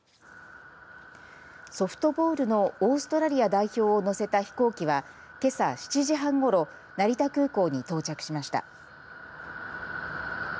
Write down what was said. ソフトボールのオーストラリア代表を乗せた飛行機はけさ７時半ごろ成田空港に到着しました。